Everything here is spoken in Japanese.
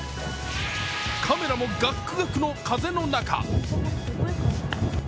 カメラもガックガクの風の中。